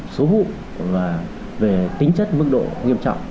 với những vụ và về tính chất mức độ nghiêm trọng